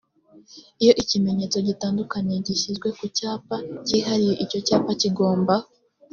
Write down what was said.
iyo ikimenyetso gitandukanya gishyizwe ku cyapa cyihariye icyo cyapa kigomba